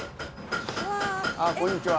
あっこんにちは。